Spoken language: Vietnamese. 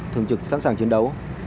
thường trực sẵn sàng chiến đấu